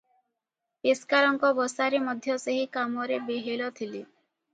ପେସ୍କାରଙ୍କ ବସାରେ ମଧ୍ୟ ସେହି କାମରେ ବେହେଲ ଥିଲେ ।